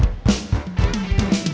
ya ini lagi serius